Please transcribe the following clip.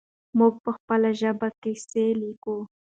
موږ په خپله ژبه کیسې لیکو.